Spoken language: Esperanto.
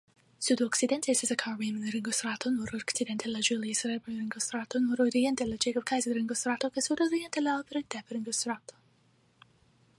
Sudokcidente estas la Karl-Reimann-ringostrato, nordokcidente la Julius-Leber-ringostrato, nordoriente la Jakob-Kaiser-ringostrato kaj sudoriente la Alfred-Delp-ringostrato.